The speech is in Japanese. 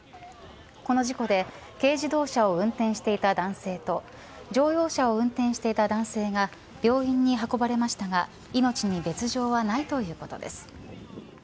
この事故で軽自動車を運転していた男性と乗用車を運転していた男性が病院に運ばれましたが命に別条はないということです。